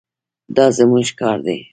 دا زموږ کار دی.